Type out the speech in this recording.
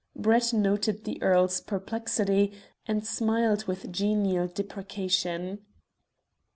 Brett noted the Earl's perplexity, and smiled with genial deprecation.